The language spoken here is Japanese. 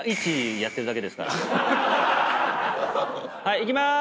はいいきまーす！